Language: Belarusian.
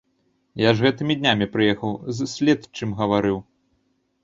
Я ж гэтымі днямі прыехаў, з следчым гаварыў.